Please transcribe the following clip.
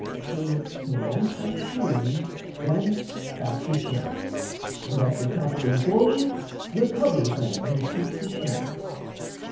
For to one side she leans, Then back she sways; and after tottering Forward, recovers then her seats of poise.